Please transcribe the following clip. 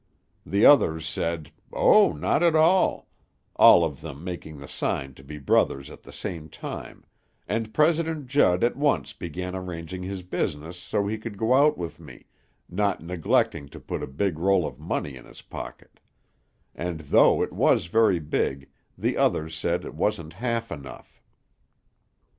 The others said, 'Oh, not at all,' all of them making the sign to be brothers at the same time, and President Judd at once began arranging his business so he could go out with me, not neglecting to put a big roll of money in his pocket; and, though it was very big, the others said it wasn't half enough."